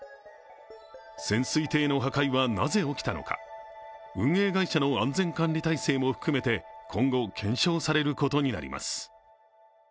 潜水艇の破壊はなぜ起きたのか、運営会社の安全管理体制も含めて今後、検証されることになります。